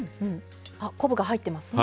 あ昆布が入ってますね。